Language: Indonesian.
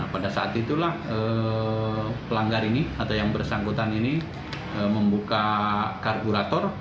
pada saat itulah pelanggar ini atau yang bersangkutan ini membuka kargurator